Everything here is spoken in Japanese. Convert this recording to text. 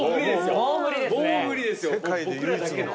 もう無理ですね